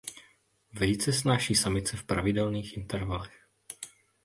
Vejce snáší samice v pravidelných intervalech.